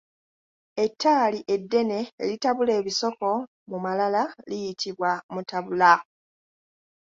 Ettaali eddene eritabula ebisoko mu malala liyitibwa mutabula.